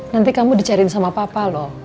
nanti kamu dicairin sama papa loh